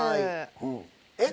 えっ？